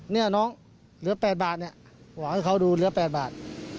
เนี่ยน้องเหลือ๘บาทเนี่ยบอกให้เขาดูเหลือ๘บาท